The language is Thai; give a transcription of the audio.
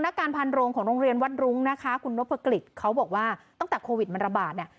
การพันโรงของโรงเรียนวัดรุ้งนะคะคุณนพกฤษเขาบอกว่าตั้งแต่โควิดมันระบาดเนี่ย